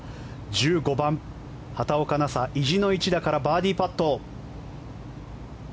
１５番、畑岡奈紗意地の一打からバーディーパット。